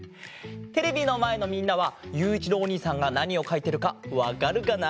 テレビのまえのみんなはゆういちろうおにいさんがなにをかいてるかわかるかな？